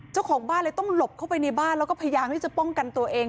เจ้าของบ้านเลยต้องหลบเข้าไปในบ้านแล้วก็พยายามที่จะป้องกันตัวเอง